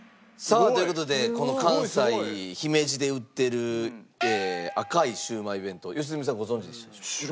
さあという事でこの関西姫路で売ってる赤いシウマイ弁当良純さんご存じでしたでしょうか？